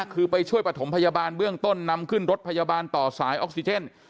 คือไปช่วยประถมพยาบาลเบื้องต้นนำขึ้นรถพยาบาลต่อสายออกซิเจน